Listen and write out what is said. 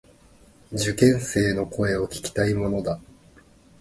受験生の声を聞きたいものだ。